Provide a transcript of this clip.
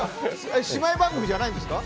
姉妹番組じゃないんですか？